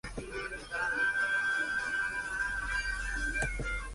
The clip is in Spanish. Luna fue un activo militante de la Unión Cívica Radical Intransigente.